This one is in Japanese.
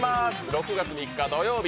６月３日土曜日